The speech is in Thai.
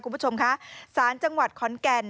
คุณผู้ชมคะสารจังหวัดขอนแก่น